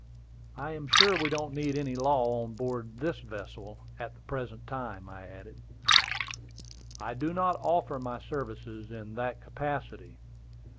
"I am sure we don't need any law on board of this vessel at the present time," I added. "I do not offer my services in that capacity.